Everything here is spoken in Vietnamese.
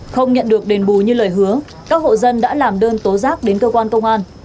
không nhận được đền bù như lời hứa các hộ dân đã làm đơn tố giác đến cơ quan công an